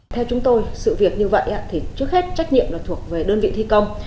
theo chúng tôi sự việc như vậy thì trước hết trách nhiệm là thuộc về đơn vị thi công